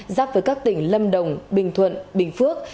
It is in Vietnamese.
giáp với các tỉnh lâm đồng bình thuận bình phước